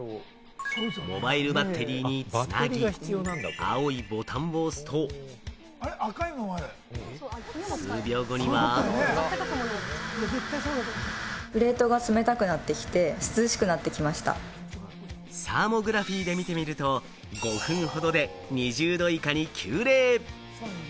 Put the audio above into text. モバイルバッテリーに繋ぎ、青いボタンを押すと、数秒後には。サーモグラフィーで見てみると、５分ほどで２０度以下に急冷。